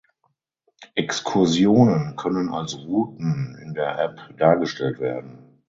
Exkursionen können als Routen in der App dargestellt werden.